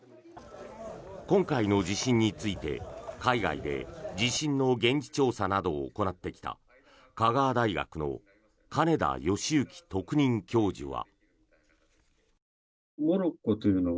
今回の地震について海外で地震の現地調査などを行ってきた香川大学の金田義行特任教授は。